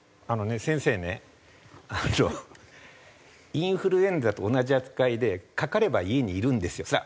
あのね先生ねあのインフルエンザと同じ扱いでかかれば家にいるんですよ。